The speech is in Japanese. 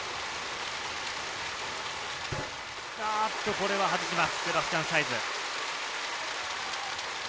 これは外します、セバスチャン・サイズ。